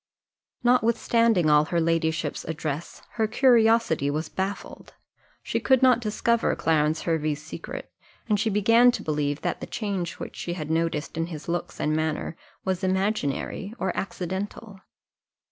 Notwithstanding all her ladyship's address, her curiosity was baffled; she could not discover Clarence Hervey's secret, and she began to believe that the change which she had noticed in his looks and manner was imaginary or accidental.